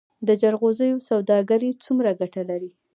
د جلغوزیو سوداګري څومره ګټه لري؟